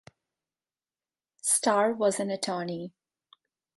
Starr was an attorney.